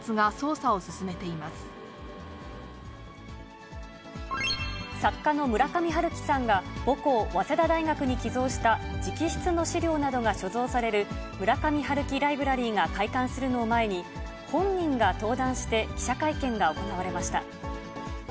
作家の村上春樹さんが、母校、早稲田大学に寄贈した直筆の資料などが所蔵される村上春樹ライブラリーが開館するのを前に、本人が登壇して、記者会見が行われました。